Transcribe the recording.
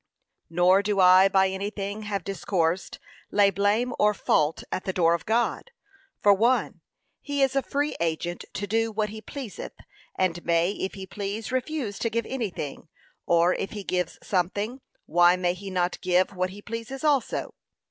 Nor do I by anything here discoursed, lay blame or fault at the door of God. For, 1. He is a free agent to do what he pleaseth, and may, if he please, refuse to give anything, or if he gives something, why may he not give what he pleases also?